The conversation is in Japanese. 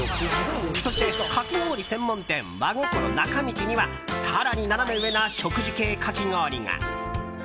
そして、かき氷専門店和ごころなか道には更にナナメ上な食事系かき氷が。